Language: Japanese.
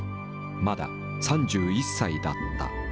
まだ３１歳だった。